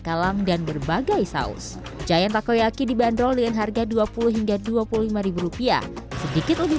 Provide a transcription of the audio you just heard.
kalam dan berbagai saus giant takoyaki dibanderol dengan harga dua puluh hingga dua puluh lima rupiah sedikit lebih